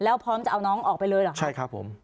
แล้วพร้อมจะเอาน้องออกไปเลยเหรอครับใช่ครับผม